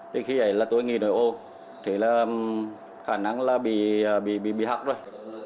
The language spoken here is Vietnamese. thì khi ấy là tôi nghĩ rồi ồ thế là khả năng là bị hạc rồi